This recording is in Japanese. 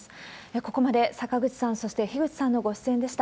ここまで坂口さん、そして樋口さんのご出演でした。